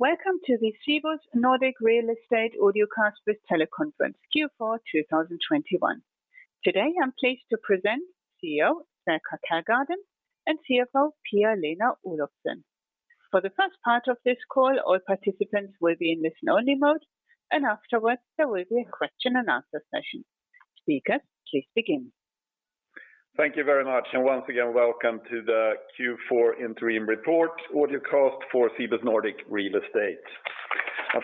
Welcome to the Cibus Nordic Real Estate Audiocast with Teleconference Q4 2021. Today, I'm pleased to present CEO Sverker Källgården and CFO Pia-Lena Olofsson. For the first part of this call, all participants will be in listen-only mode, and afterwards, there will be a question and answer session. Thank you very much, and once again, welcome to the Q4 interim report Audiocast for Cibus Nordic Real Estate.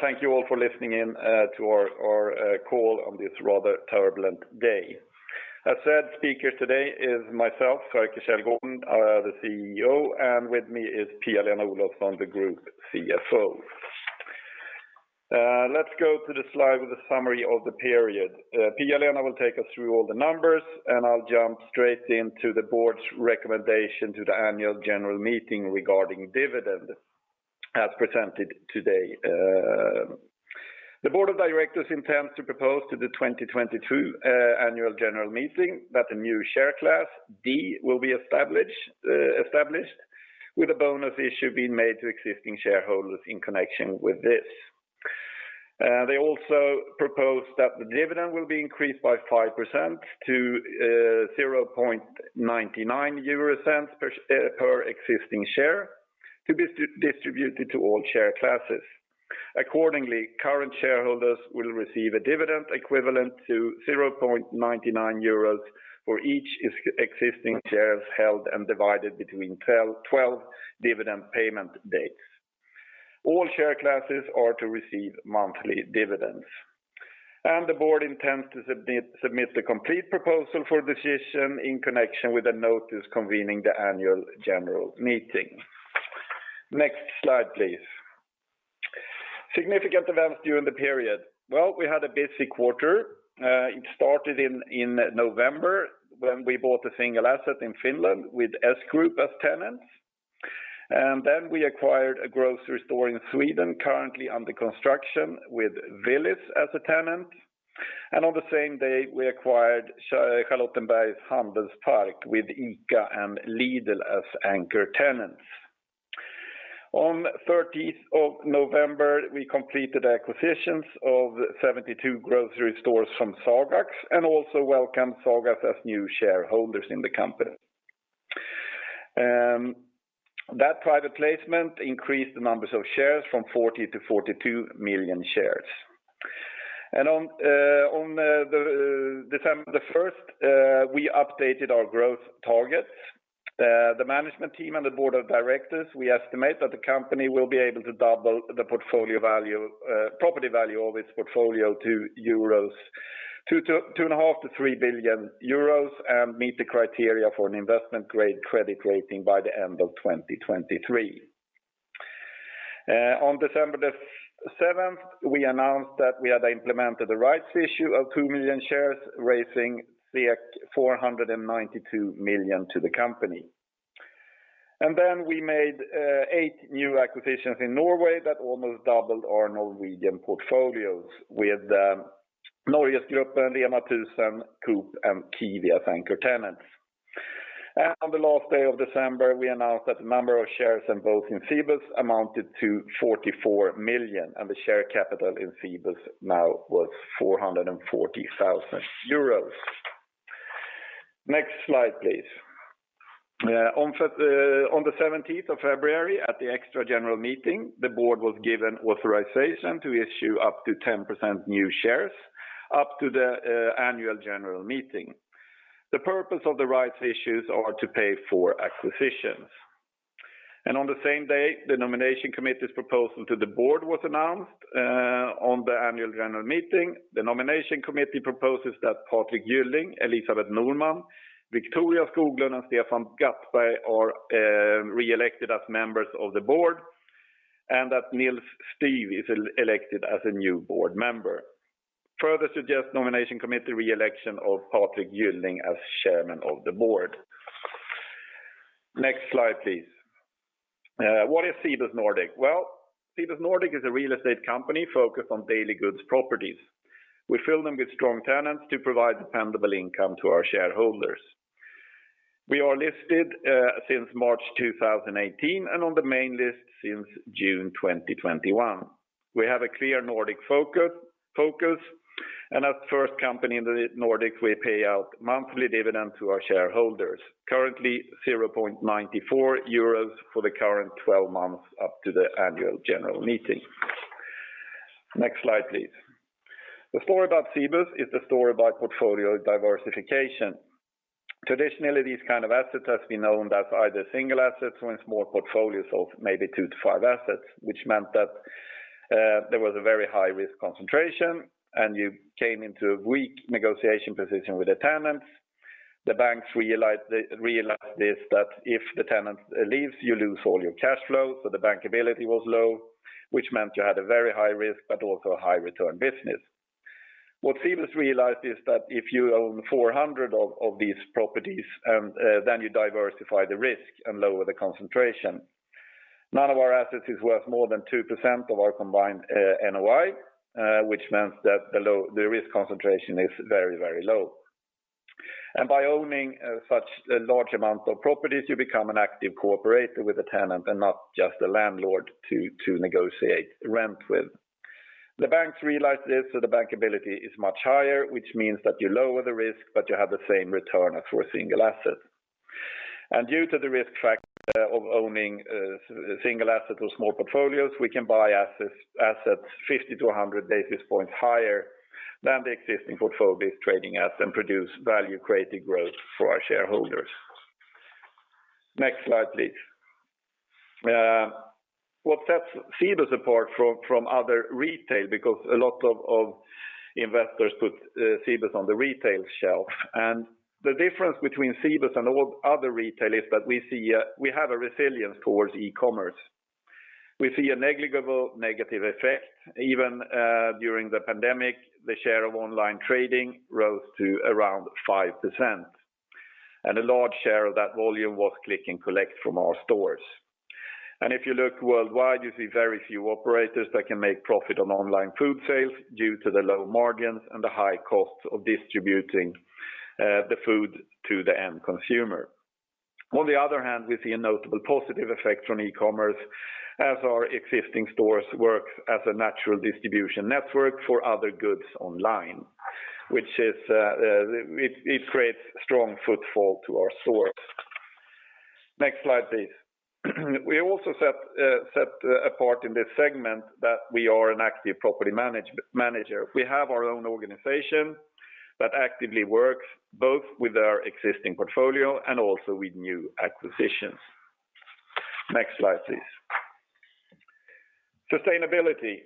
Thank you all for listening in to our call on this rather turbulent day. As said, speaker today is myself, Sverker Källgården, the CEO, and with me is Pia-Lena Olofsson, the group CFO. Let's go to the slide with a summary of the period. Pia-Lena will take us through all the numbers, and I'll jump straight into the board's recommendation to the annual general meeting regarding dividend as presented today. The board of directors intends to propose to the 2022 annual general meeting that a new share class D will be established with a bonus issue being made to existing shareholders in connection with this. They also propose that the dividend will be increased by 5% to 0.99 euro cents per existing share to be distributed to all share classes. Accordingly, current shareholders will receive a dividend equivalent to 0.99 euros for each existing shares held and divided between 12 dividend payment dates. All share classes are to receive monthly dividends. The board intends to submit the complete proposal for decision in connection with a notice convening the annual general meeting. Next slide, please. Significant events during the period. Well, we had a busy quarter. It started in November when we bought a single asset in Finland with S Group as tenants. Then we acquired a grocery store in Sweden currently under construction with Willys as a tenant. On the same day, we acquired Charlottenberg Handelspark with ICA and Lidl as anchor tenants. On the 13th of November, we completed acquisitions of 72 grocery stores from Sagax and also welcomed Sagax as new shareholders in the company. That private placement increased the numbers of shares from 40 to 42 million shares. On the first, we updated our growth targets. The management team and the board of directors, we estimate that the company will be able to double the portfolio value, property value of its portfolio to EUR 2-2.5-3 billion and meet the criteria for an investment grade credit rating by the end of 2023. On December the 7th, we announced that we had implemented the rights issue of 2 million shares, raising 492 million to the company. We made eight new acquisitions in Norway that almost doubled our Norwegian portfolios with NorgesGruppen, Rema 1000, Coop, and Kiwi as anchor tenants. On the last day of December, we announced that the number of shares and vote in Cibus amounted to 44 million, and the share capital in Cibus now was 440,000 euros. Next slide, please. On the seventeenth of February at the extra general meeting, the board was given authorization to issue up to 10% new shares up to the annual general meeting. The purpose of the rights issues are to pay for acquisitions. On the same day, the nomination committee's proposal to the board was announced on the annual general meeting. The nomination committee proposes that Patrik Gylling, Elisabeth Norman, Victoria Skoglund, and Stefan Gattberg are reelected as members of the board, and that Nils Styf is elected as a new board member. The nomination committee further suggests reelection of Patrik Gylling as Chairman of the Board. Next slide, please. What is Cibus Nordic? Well, Cibus Nordic is a real estate company focused on daily goods properties. We fill them with strong tenants to provide dependable income to our shareholders. We are listed since March 2018 and on the main list since June 2021. We have a clear Nordic focus, and as the first company in the Nordics, we pay out monthly dividend to our shareholders. Currently, 0.94 euros for the current twelve months up to the annual general meeting. Next slide, please. The story about Cibus is the story about portfolio diversification. Traditionally, these kind of assets has been owned as either single assets or in small portfolios of maybe 2-5 assets, which meant that there was a very high-risk concentration, and you came into a weak negotiation position with the tenants. The banks realized this that if the tenant leaves, you lose all your cash flow, so the bankability was low, which meant you had a very high risk, but also a high return business. What Cibus realized is that if you own 400 of these properties, then you diversify the risk and lower the concentration. None of our assets is worth more than 2% of our combined NOI, which means that the risk concentration is very, very low. By owning such a large amount of properties, you become an active counterparty with a tenant and not just a landlord to negotiate rent with. The banks realize this, so the bankability is much higher, which means that you lower the risk, but you have the same return as for a single asset. Due to the risk factor of owning single asset or small portfolios, we can buy assets 50-100 basis points higher than the existing portfolio is trading at and produce value-creating growth for our shareholders. Next slide, please. What sets Cibus apart from other retail, because a lot of investors put Cibus on the retail shelf. The difference between Cibus and all other retail is that we see—we have a resilience towards e-commerce. We see a negligible negative effect. Even during the pandemic, the share of online trading rose to around 5%. A large share of that volume was click and collect from our stores. If you look worldwide, you see very few operators that can make profit on online food sales due to the low margins and the high costs of distributing the food to the end consumer. On the other hand, we see a notable positive effect from e-commerce as our existing stores work as a natural distribution network for other goods online, which is it creates strong footfall to our stores. Next slide, please. We also set apart in this segment that we are an active property manager. We have our own organization that actively works both with our existing portfolio and also with new acquisitions. Next slide, please. Sustainability.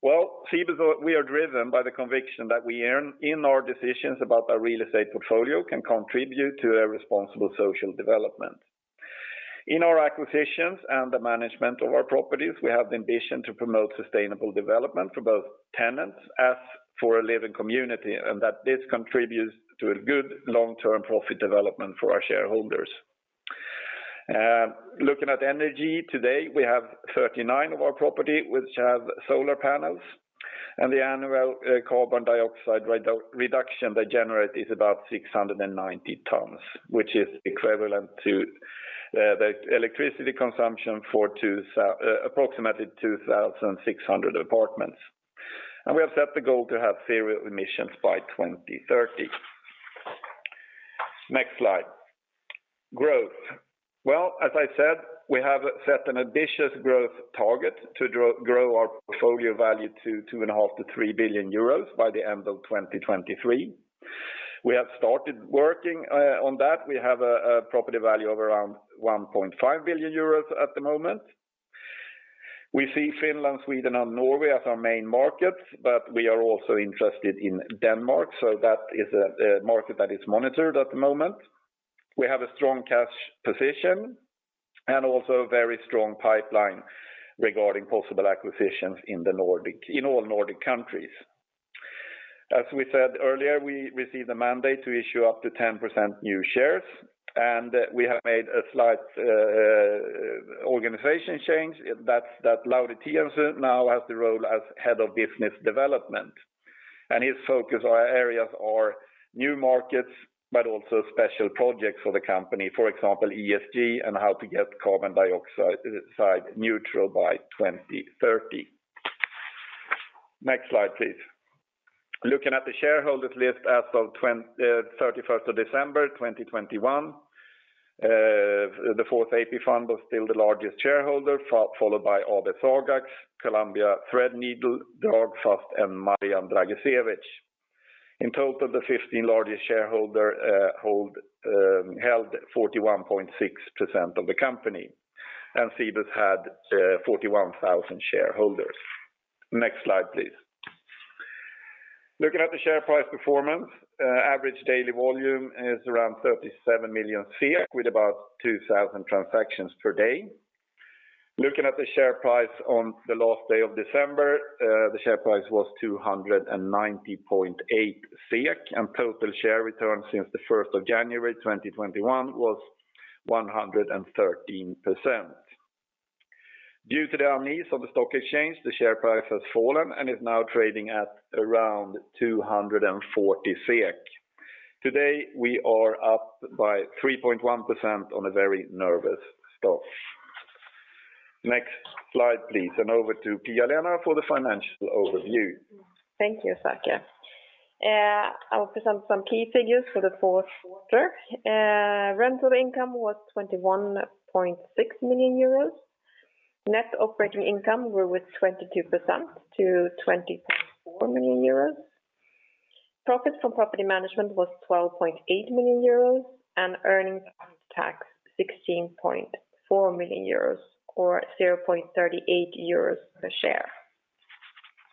Well, Cibus, we are driven by the conviction that we earn in our decisions about our real estate portfolio can contribute to a responsible social development. In our acquisitions and the management of our properties, we have the ambition to promote sustainable development for both tenants as for a living community, and that this contributes to a good long-term profit development for our shareholders. Looking at energy today, we have 39 of our property which have solar panels, and the annual carbon dioxide reduction they generate is about 690 tons, which is equivalent to the electricity consumption for approximately 2,600 apartments. We have set the goal to have zero emissions by 2030. Next slide. Growth. Well, as I said, we have set an ambitious growth target to grow our portfolio value to 2.5 billion-3 billion euros by the end of 2023. We have started working on that. We have a property value of around 1.5 billion euros at the moment. We see Finland, Sweden, and Norway as our main markets, but we are also interested in Denmark, so that is a market that is monitored at the moment. We have a strong cash position and also a very strong pipeline regarding possible acquisitions in all Nordic countries. As we said earlier, we received a mandate to issue up to 10% new shares, and we have made a slight organization change. That's that Lauri Tiensuu now has the role as Head of Business Development. His focus areas are new markets, but also special projects for the company. For example, ESG and how to get carbon dioxide neutral by 2030. Next slide, please. Looking at the shareholders list as of 31st of December 2021. The Fourth AP Fund was still the largest shareholder, followed by AB Sagax, Columbia Threadneedle, Dragfast, and Marjan Dragicevic. In total, the 15 largest shareholders held 41.6% of the company, and Cibus had 41,000 shareholders. Next slide, please. Looking at the share price performance, average daily volume is around 37 million SEK with about 2,000 transactions per day. Looking at the share price on the last day of December, the share price was 290.8 SEK, and total share return since January 1st, 2021 was 113%. Due to the unease of the stock exchange, the share price has fallen and is now trading at around 240 SEK. Today, we are up by 3.1% on a very nervous stock. Next slide, please, and over to Pia-Lena for the financial overview. Thank you, Sverker. I will present some key figures for the fourth quarter. Rental income was 21.6 million euros. Net operating income grew with 22% to 20.4 million euros. Profit from property management was 12.8 million euros, and earnings was 16.4 million euros or 0.38 euros per share.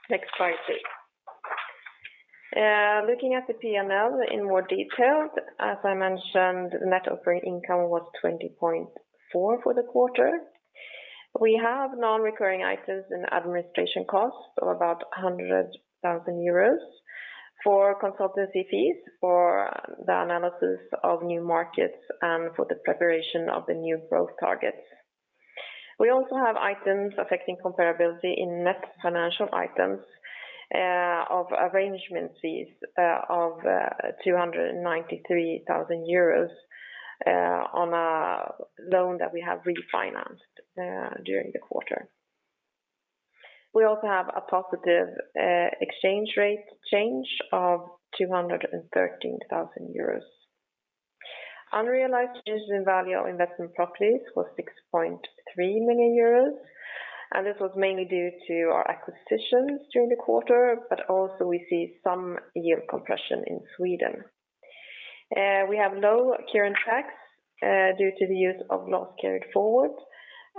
Next slide, please. Looking at the PNL in more detail, as I mentioned, net operating income was 20.4 million for the quarter. We have non-recurring items in administration costs of about 100,000 euros for consultancy fees for the analysis of new markets and for the preparation of the new growth targets. We also have items affecting comparability in net financial items of arrangement fees of 293,000 euros on a loan that we have refinanced during the quarter. We also have a positive exchange rate change of 213 thousand euros. Unrealized changes in value of investment properties was 6.3 million euros, and this was mainly due to our acquisitions during the quarter, but also we see some yield compression in Sweden. We have low current tax due to the use of loss carried forward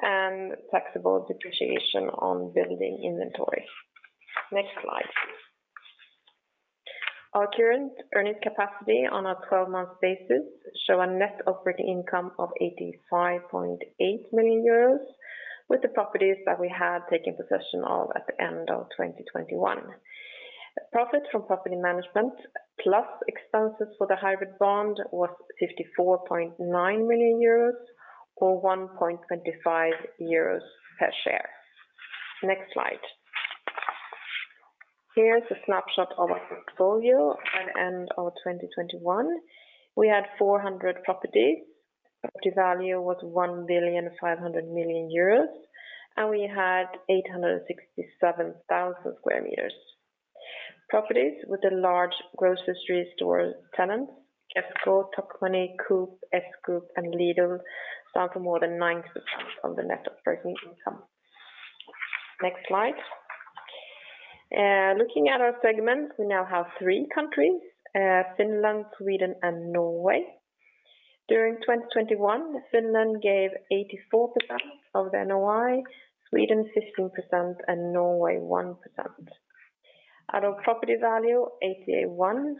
and taxable depreciation on building inventory. Next slide, please. Our current earnings capacity on a 12-month basis show a net operating income of 85.8 million euros, with the properties that we had taken possession of at the end of 2021. Profit from property management plus expenses for the hybrid bond was 54.9 million euros or 1.25 euros per share. Next slide. Here is a snapshot of our portfolio at end of 2021. We had 400 properties. Property value was 1.5 billion euros, and we had 867,000 sq m. Properties with the large grocery store tenants, Kesko, Tokmanni, Coop, S-Group, and Lidl stand for more than 9% of the net operating income. Next slide. Looking at our segments, we now have three countries, Finland, Sweden, and Norway. During 2021, Finland gave 84% of the NOI, Sweden 15%, and Norway 1%. Out of property value, 81%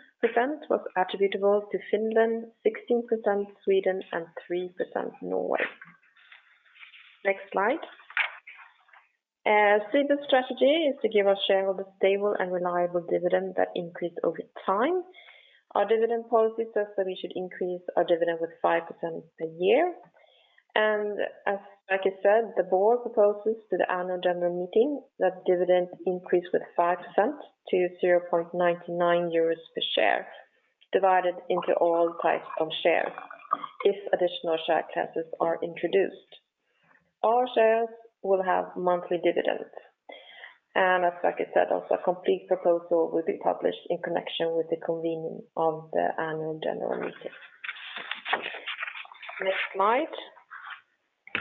was attributable to Finland, 16% Sweden, and 3% Norway. Next slide. Cibus' strategy is to give our shareholders stable and reliable dividend that increase over time. Our dividend policy says that we should increase our dividend with 5% per year. As like I said, the board proposes to the annual general meeting that dividend increase with 5% to 0.99 euros per share, divided into all types of shares if additional share classes are introduced. All shares will have monthly dividends. As like I said, also, a complete proposal will be published in connection with the convening of the annual general meeting. Next slide.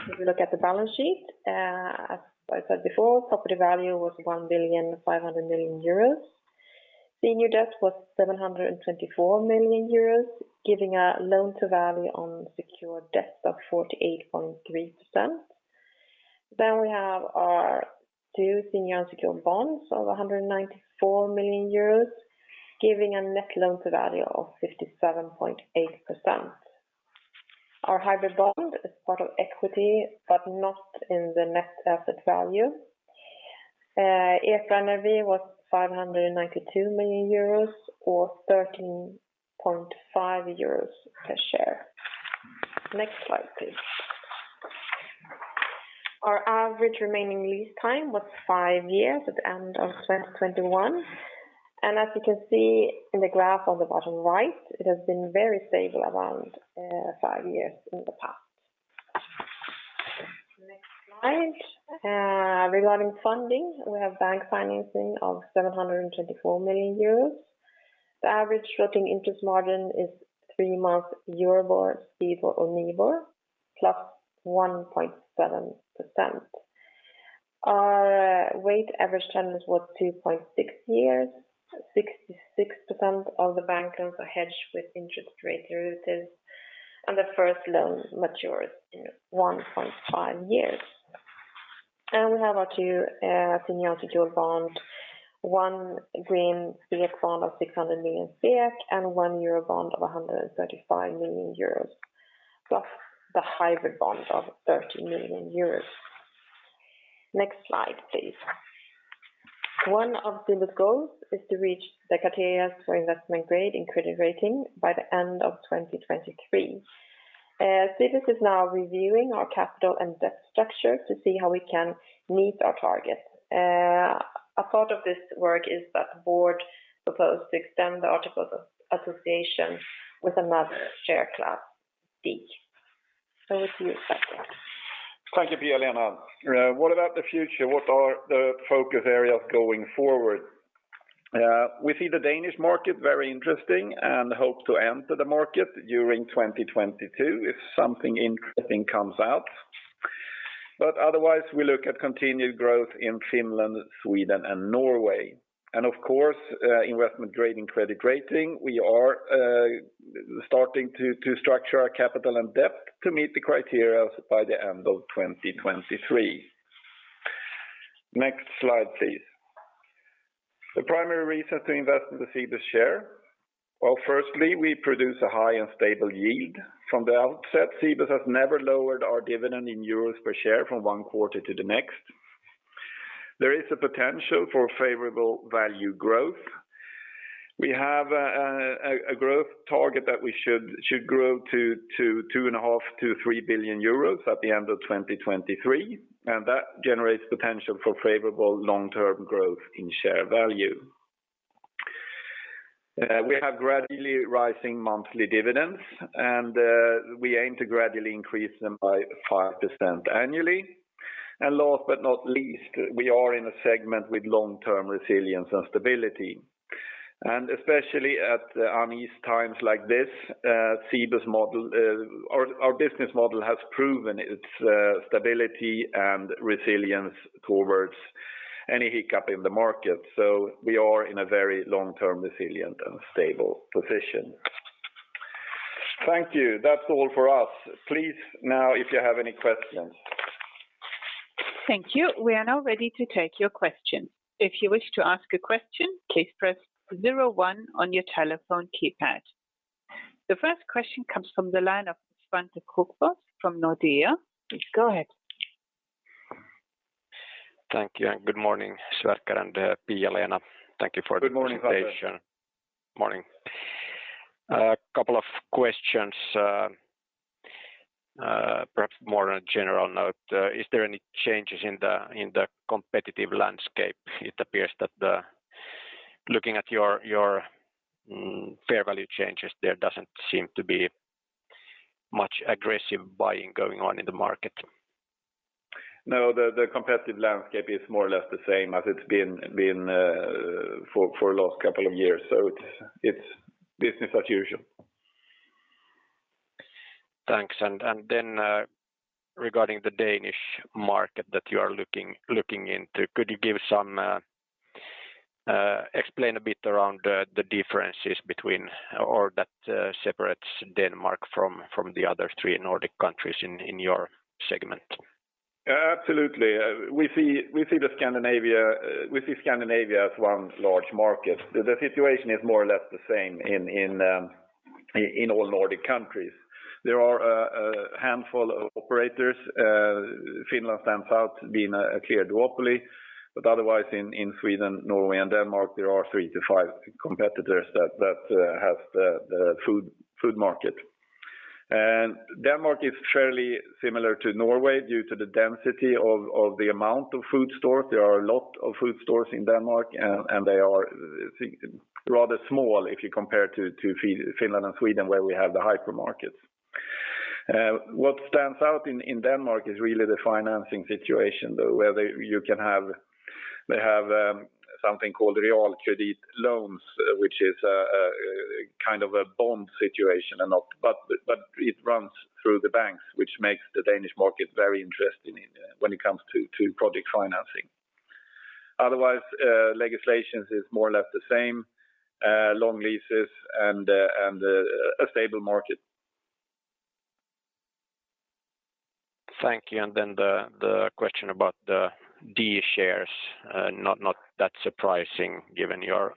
If you look at the balance sheet, as I said before, property value was 1.5 billion. Senior debt was 724 million euros, giving a loan to value on secured debt of 48.3%. We have our two senior unsecured bonds of 194 million euros, giving a net loan to value of 57.8%. Our hybrid bond is part of equity, but not in the net asset value. EPRA NRV was 592 million euros or 13.5 euros per share. Next slide, please. Our average remaining lease time was five years at the end of 2021. As you can see in the graph on the bottom right, it has been very stable around 5 years in the past. Next slide. Regarding funding, we have bank financing of 724 million euros. The average floating interest margin is three-month EURIBOR, STIBOR or NIBOR plus 1.7%. Our weighted average term was 2.6 years. 66% of the bank loans are hedged with interest rate derivatives, and the first loan matures in 1.5 years. We have our two senior unsecured bond, one green SEK bond of 600 million, and one euro bond of 135 million euros, plus the hybrid bond of 30 million euros. Next slide, please. One of Cibus' goals is to reach the criteria for investment grade in credit rating by the end of 2023. Cibus is now reviewing our capital and debt structure to see how we can meet our target. A part of this work is that the board proposed to extend the article of association with another share class D. Over to you, Fredrik. Thank you, Pia-Lena Olofsson. What about the future? What are the focus areas going forward? We see the Danish market very interesting and hope to enter the market during 2022 if something interesting comes out. Otherwise, we look at continued growth in Finland, Sweden, and Norway. Of course, investment-grade credit rating, we are starting to structure our capital and debt to meet the criteria by the end of 2023. Next slide, please. The primary reasons to invest in the Cibus share. Well, firstly, we produce a high and stable yield. From the outset, Cibus has never lowered our dividend in euros per share from one quarter to the next. There is a potential for favorable value growth. We have a growth target that we should grow to 2.5 billion-3 billion euros at the end of 2023, and that generates potential for favorable long-term growth in share value. We have gradually rising monthly dividends, and we aim to gradually increase them by 5% annually. Last but not least, we are in a segment with long-term resilience and stability. Especially at the unease times like this, Cibus' model, our business model has proven its stability and resilience towards any hiccup in the market. We are in a very long-term, resilient, and stable position. Thank you. That's all for us. Please now if you have any questions. Thank you. We are now ready to take your questions. If you wish to ask a question, please press zero one on your telephone keypad. The first question comes from the line of Svante Krokfors from Nordea. Please go ahead. Thank you, and good morning, Sverker and Pia-Lena. Thank you for the presentation. Good morning, Svante. Morning. A couple of questions, perhaps more on a general note. Is there any changes in the competitive landscape? It appears that, looking at your fair value changes, there doesn't seem to be much aggressive buying going on in the market. No, the competitive landscape is more or less the same as it's been for the last couple of years. It's business as usual. Thanks. Regarding the Danish market that you are looking into, could you give some explanation a bit around the differences between or that separates Denmark from the other three Nordic countries in your segment? Absolutely. We see Scandinavia as one large market. The situation is more or less the same in all Nordic countries. There are a handful of operators. Finland stands out being a clear duopoly. Otherwise, in Sweden, Norway, and Denmark, there are three to five competitors that have the food market. Denmark is fairly similar to Norway due to the density of the amount of food stores. There are a lot of food stores in Denmark, and they are, I think, rather small if you compare to Finland and Sweden, where we have the hypermarkets. What stands out in Denmark is really the financing situation, though, where you can have... They have something called realkredit loans, which is kind of a bond situation. But it runs through the banks, which makes the Danish market very interesting when it comes to project financing. Otherwise, legislation is more or less the same, long leases and a stable market. Thank you. Then the question about the D shares not that surprising given your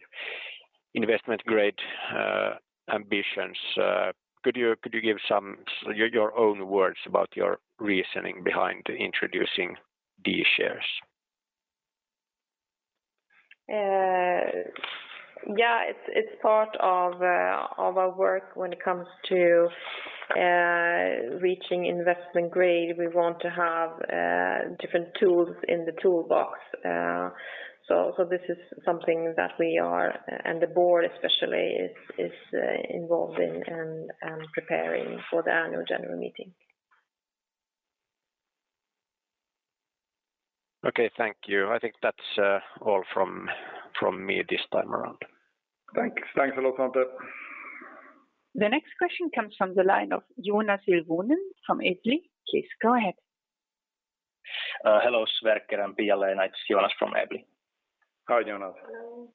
investment grade ambitions. Could you give your own words about your reasoning behind introducing D shares? Yeah. It's part of our work when it comes to reaching investment grade. We want to have different tools in the toolbox. This is something that we are, and the board especially is involved in and preparing for the annual general meeting. Okay. Thank you. I think that's all from me this time around. Thanks. Thanks a lot, Svante. The next question comes from the line of Joonas Ilvonen from Evli. Please go ahead. Hello, Sverker and Pia-Lena. It's Joonas from Evli. Hi, Joonas. Hello.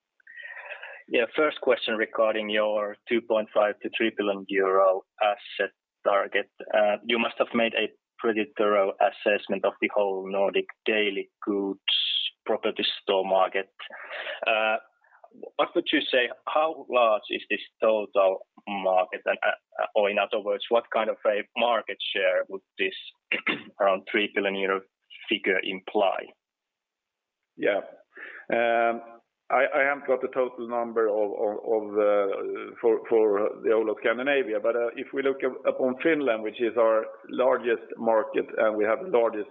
First question regarding your 2.5 billion-3 billion euro asset target. You must have made a pretty thorough assessment of the whole Nordic daily goods property store market. What would you say? How large is this total market? Or in other words, what kind of a market share would this around 3 billion euro figure imply? Yeah. I haven't got the total number for the whole of Scandinavia. If we look upon Finland, which is our largest market and we have the largest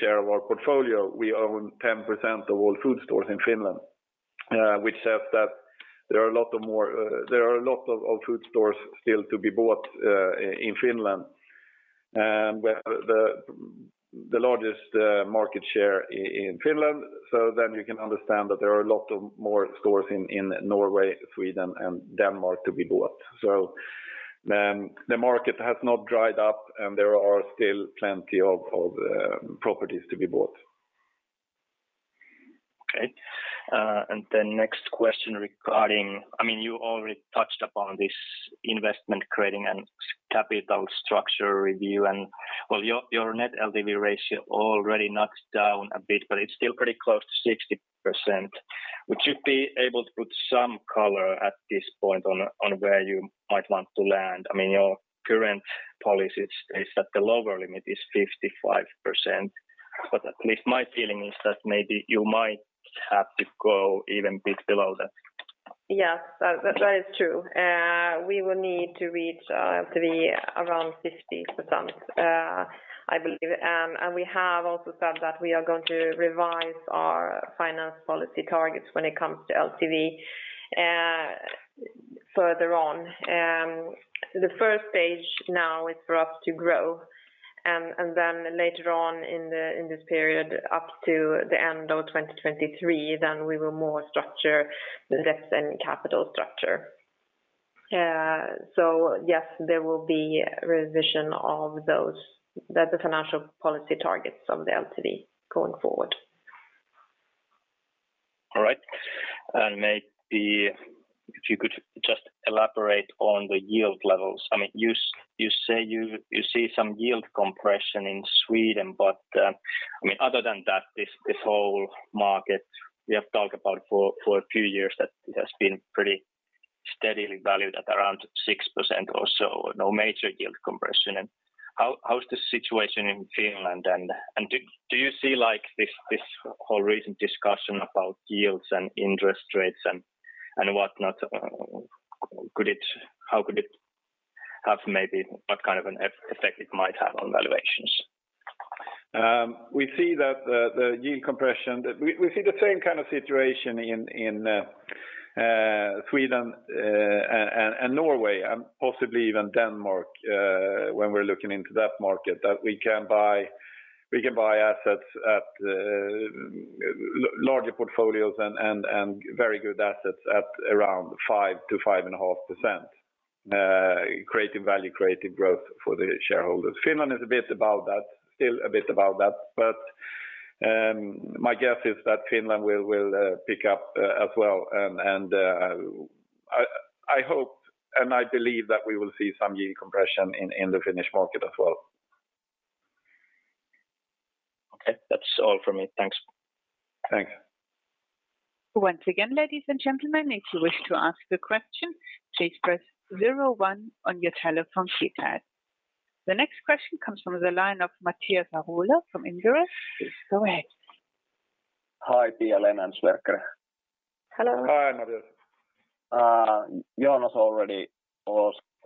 share of our portfolio, we own 10% of all food stores in Finland. Which says that there are a lot more food stores still to be bought in Finland. We're the largest market share in Finland. You can understand that there are a lot more stores in Norway, Sweden, and Denmark to be bought. The market has not dried up, and there are still plenty of properties to be bought. Okay. Next question regarding. I mean, you already touched upon this investment creating a capital structure review. Well, your net LTV ratio already knocked down a bit, but it's still pretty close to 60%. Would you be able to put some color at this point on where you might want to land? I mean, your current policy is that the lower limit is 55%, but at least my feeling is that maybe you might have to go even a bit below that. Yes, that is true. We will need to reach to be around 50%, I believe. We have also said that we are going to revise our financial policy targets when it comes to LTV further on. The first stage now is for us to grow and then later on in this period up to the end of 2023, then we will restructure debts and capital structure. Yes, there will be revision of those. That's the financial policy targets of the LTV going forward. All right. Maybe if you could just elaborate on the yield levels. I mean, you say you see some yield compression in Sweden, but I mean, other than that, this whole market we have talked about for a few years that it has been pretty steadily valued at around 6% or so, no major yield compression. How is the situation in Finland and do you see, like, this whole recent discussion about yields and interest rates and whatnot? What kind of an effect it might have on valuations? We see that the yield compression. We see the same kind of situation in Sweden and Norway and possibly even Denmark, when we're looking into that market, that we can buy assets at larger portfolios and very good assets at around 5%-5.5%, creating value, creating growth for the shareholders. Finland is a bit above that, still a bit above that, but my guess is that Finland will pick up as well. I hope and I believe that we will see some yield compression in the Finnish market as well. Okay. That's all from me. Thanks. Thanks. Once again, ladies and gentlemen, if you wish to ask a question, please press zero one on your telephone keypad. The next question comes from the line of Matias Ahola from Inderes. Please go ahead. Hi, Pia-Lena and Sverker. Hello. Hi, Matias. Joonas already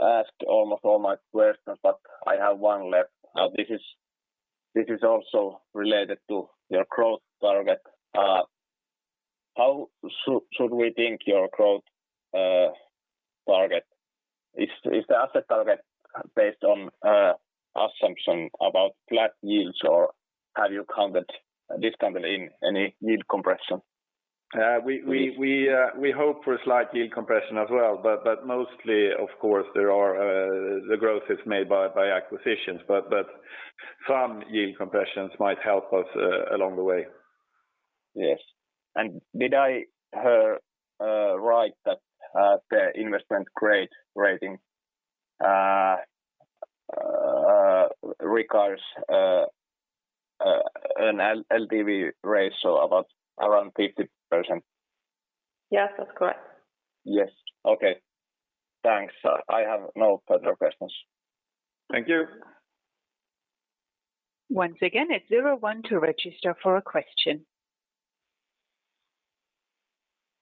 asked almost all my questions, but I have one left. Now, this is also related to your growth target. How should we think your growth target? Is the asset target based on assumption about flat yields, or have you counted this company in any yield compression? We hope for a slight yield compression as well, but mostly, of course, the growth is made by acquisitions, but some yield compressions might help us along the way. Yes. Did I hear right that the investment grade rating requires an LTV ratio around 50%? Yes, that's correct. Yes. Okay. Thanks. I have no further questions. Thank you. Once again, it's zero one to register for a question.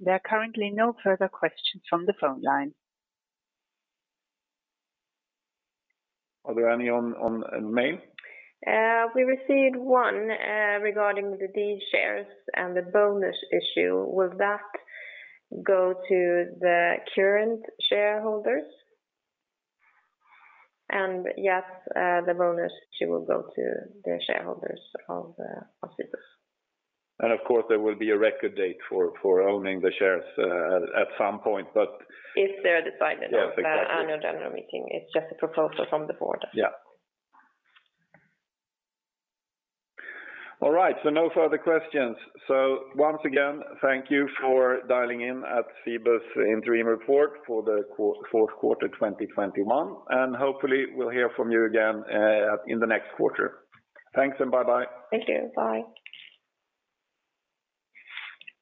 There are currently no further questions from the phone line. Are there any on mail? We received one regarding the D shares and the bonus issue. Will that go to the current shareholders? Yes, the bonus issue will go to the shareholders of Cibus. Of course, there will be a record date for owning the shares at some point, but. If they're decided at the annual general meeting. Yes, exactly. It's just a proposal from the board. Yeah. All right, so no further questions. Once again, thank you for dialing in at Cibus interim report for the Q4 2021, and hopefully we'll hear from you again in the next quarter. Thanks, and bye-bye. Thank you. Bye.